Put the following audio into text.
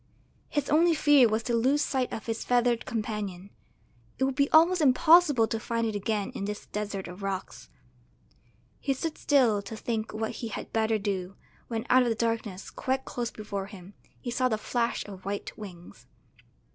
His only fear was to lose sight of his feathered companion; it would be almost impossible to find it again in this desert of rocks. He stood still to think what he had better do, when out of the darkness, quite close before him, he saw the flash of white wings.